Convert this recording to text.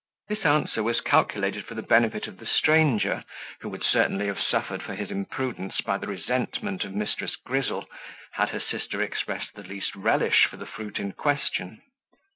This answer was calculated for the benefit of the stranger, who would certainly have suffered for his imprudence by the resentment of Mrs. Grizzle, had her sister expressed the least relish for the fruit in question.